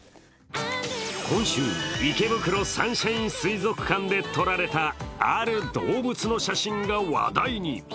今週、池袋サンシャイン水族館で撮られたある動物の写真が話題に。